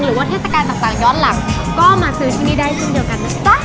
เทศกาลต่างย้อนหลังก็มาซื้อที่นี่ได้เช่นเดียวกันนะจ๊ะ